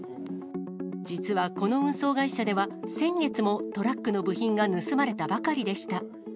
実はこの運送会社では、先月もトラックの部品が盗まれたばかりでした。